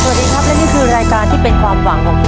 สวัสดีครับและนี่คือรายการที่เป็นความหวังของผม